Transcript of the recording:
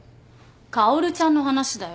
薫ちゃんの話だよ。